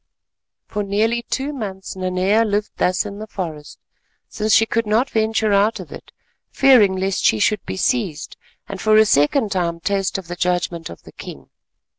For nearly two months Nanea lived thus in the forest, since she could not venture out of it—fearing lest she should be seized, and for a second time taste of the judgment of the king.